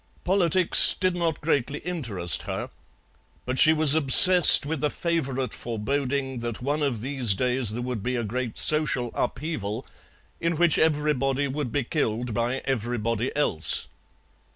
Politics did not greatly interest her, but she was obsessed with a favourite foreboding that one of these days there would be a great social upheaval, in which everybody would be killed by everybody else.